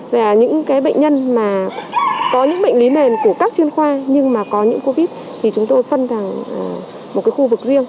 và những bệnh nhân mà có những bệnh lý nền của các chuyên khoa nhưng mà có những covid thì chúng tôi phân thành một cái khu vực riêng